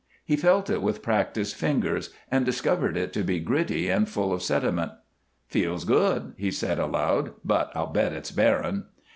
He felt it with practised fingers and discovered it to be gritty and full of sediment. "Feels good," he said, aloud, "but I'll bet it's barren."